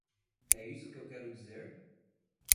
É isso que eu quero dizer?